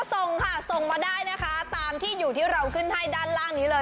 ส่งค่ะส่งมาได้นะคะตามที่อยู่ที่เราขึ้นให้ด้านล่างนี้เลย